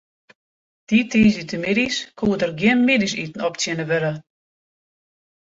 Dy tiisdeitemiddeis koe der gjin middeisiten optsjinne wurde.